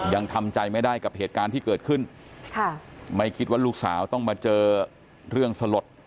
ยังทำใจไม่ได้กับเหตุการณ์ที่เกิดขึ้นค่ะไม่คิดว่าลูกสาวต้องมาเจอเรื่องสลด